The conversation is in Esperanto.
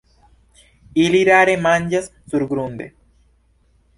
Ili rare manĝas surgrunde.